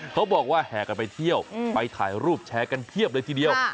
เขาบอกว่าแห่กันไปเที่ยวไปถ่ายรูปแชร์กันเพียบเลยทีเดียว